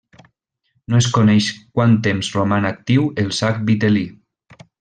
No es coneix quant temps roman actiu el sac vitel·lí.